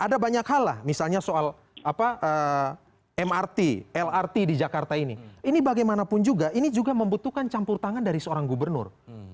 ada banyak hal lah misalnya soal mrt lrt di jakarta ini ini bagaimanapun juga ini juga membutuhkan campur tangan dari seorang gubernur